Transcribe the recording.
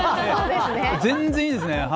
全然いいですね。